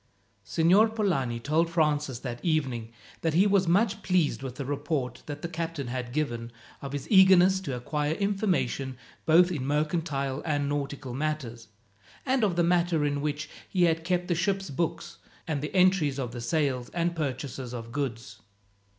Signor Polani told Francis, that evening, that he was much pleased with the report that the captain had given of his eagerness to acquire information both in mercantile and nautical matters, and of the manner in which he had kept the ship's books, and the entries of the sales, and purchases of goods.